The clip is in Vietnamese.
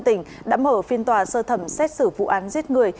tỉnh đã mở phiên tòa sơ thẩm xét xử vụ án giết người